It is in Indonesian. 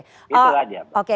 itu saja pak